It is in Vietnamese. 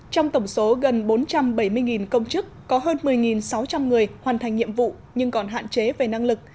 trong tổng số gần bốn trăm bảy mươi công chức có hơn một mươi sáu trăm linh người hoàn thành nhiệm vụ nhưng còn hạn chế về năng lực